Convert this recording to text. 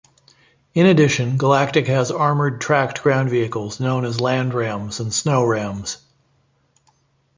In addition, "Galactica" has armored, tracked ground vehicles known as "landrams" and "snowrams.